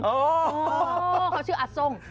โอ้คำชื่ออาซง